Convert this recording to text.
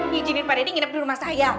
ngijinin pak deddy nginep di rumah saya